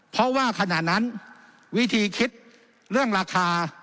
เพราะว่าขณะนั้นวิธีคิดเรื่องราคา